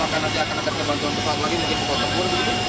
atau nanti akan ada kebangkitan lagi mungkin ke kampung